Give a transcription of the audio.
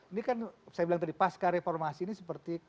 ini kan saya bilang tadi pasca reformasi ini seperti